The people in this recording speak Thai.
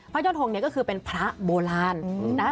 พระยอดทงนี้ก็คือเป็นพระโบราณนะคะ